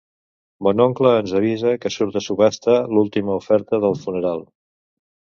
Mon oncle ens avisa que surt a subhasta l'última oferta del funeral.